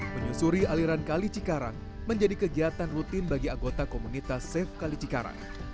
menyusuri aliran kali cikarang menjadi kegiatan rutin bagi anggota komunitas safe kali cikarang